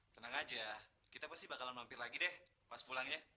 tenang aja kita pasti bakalan mampir lagi deh pas pulangnya